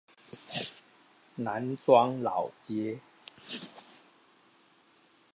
南庄老街